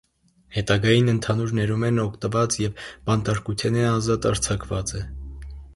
Հետագային ընդհանուր ներումէն օգտուած եւ բանտարկութենէ ազատ արձակուած է։